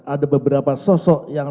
ada beberapa sosok yang